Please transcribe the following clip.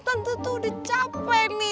tentu tuh udah capek nih